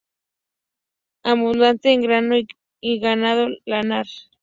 Abundante en grano y ganado lanar.